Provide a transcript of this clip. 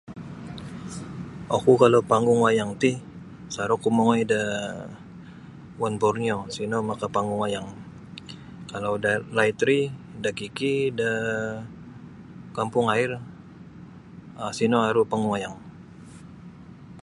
Oku kalau panggung wayang ti masaruk oku mongoi da One Borneo sino makapanggung wayang kalau dalaid ri da KK daa Kampung Air um sino aru panggung wayang.